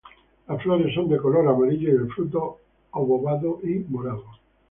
Las flores son de color amarillo y el fruto obovado y morado.